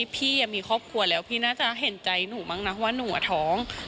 พี่มีครอบครัวแล้วพี่น่าจะเห็นใจหนูมั้งนะว่าหนูท้อง